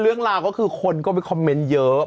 เรื่องราวก็คือคนก็ไปคอมเมนต์เยอะ